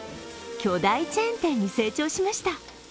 巨大チェーン店に成長しました。